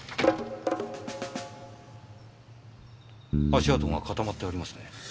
足跡が固まってありますね。